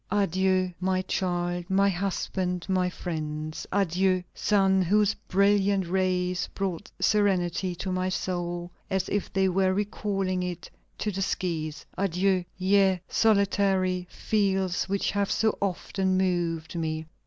"Adieu! my child, my husband, my friends. Adieu! sun whose brilliant rays brought serenity to my soul, as if they were recalling it to the skies. Adieu! ye solitary fields which have so often moved me."